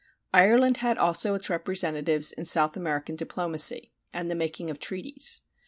Ireland had also its representatives in South American diplomacy and the making of treaties.